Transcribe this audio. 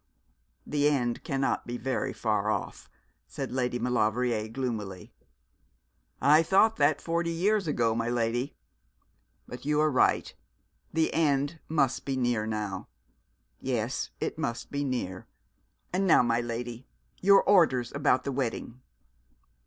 'The end cannot be very far off,' said Lady Maulevrier, gloomily. 'I thought that forty years ago, my lady. But you are right the end must be near now. Yes, it must be near. And now, my lady, your orders about the wedding.'